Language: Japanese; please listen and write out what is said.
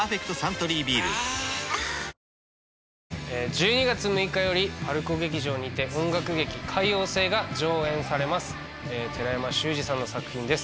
１２月６日よりＰＡＲＣＯ劇場にて音楽劇「海王星」が上演されます寺山修司さんの作品です